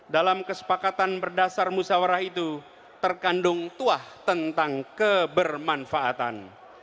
dalam kesepakatan berdasar musyawarah itu terkandung tuah tentang kebermanfaatan